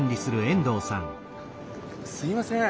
すみません。